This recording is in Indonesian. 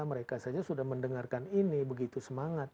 mereka saja sudah mendengarkan ini begitu semangat